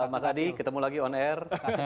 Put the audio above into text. mas adi ketemu lagi on air